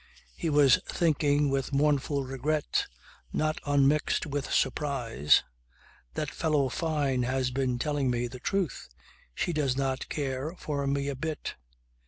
He was thinking with mournful regret not unmixed with surprise: "That fellow Fyne has been telling me the truth. She does not care for me a bit."